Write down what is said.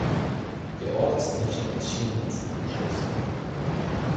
Der Ort ist nicht an das Schienennetz angeschlossen.